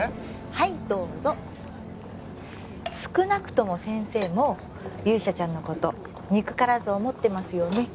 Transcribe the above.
はいどうぞ少なくとも先生も勇者ちゃんのこと憎からず思ってますよね？